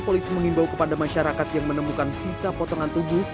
polisi mengimbau kepada masyarakat yang menemukan sisa potongan tubuh